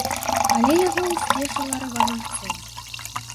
Але яго ўсцешыла рэвалюцыя.